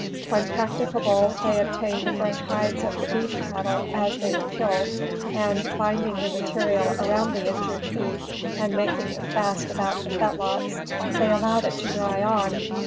When practicable, they obtained the fresh hides of the beef cattle as they were killed, and, binding the material around the injured feet, and making it fast about the fetlocks, they allowed it to dry on.